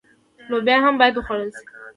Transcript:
لوبیا هم باید وخوړل شي.